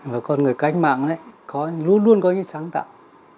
và còn người cánh mạng ấy luôn luôn có những sáng tạo